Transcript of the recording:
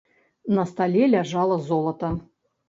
На стале ляжала золата.